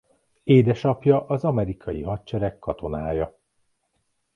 Édesapja az Amerikai Hadsereg katonája.